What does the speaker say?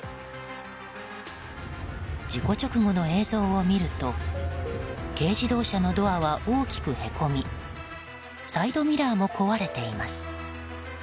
事故直後の映像を見ると軽自動車のドアは大きくへこみサイドミラーも壊れています。